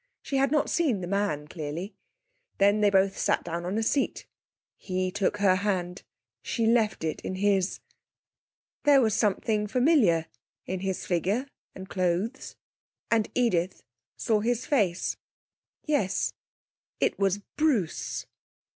She had not seen the man clearly. Then they both sat down on a seat. He took her hand. She left it in his. There was something familiar in his figure and clothes, and Edith saw his face. Yes, it was Bruce.